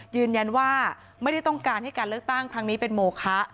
ยืนยันว่าไม่ได้ต้องการให้การเลือกตั้งครั้งนี้เป็นโมคะ